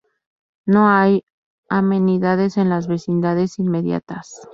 No hay amenidades en las vecindades inmediatas.